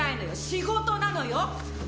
仕事なのよ！？